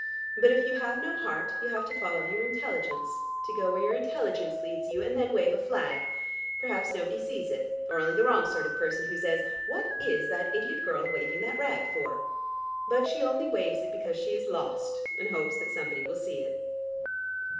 But if you have no heart, you have to follow your intelligence, to go where your intelligence leads you, and then wave a flag. Perhaps nobody sees it, or only the wrong sort of person, who says, 'What is that idiot girl waving that rag for?' But she only waves it because she is lost, and hopes that somebody will see it."